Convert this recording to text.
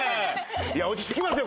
落ち着きますよ